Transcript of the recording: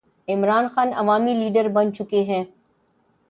عمران خان عوامی لیڈر بن چکے ہیں۔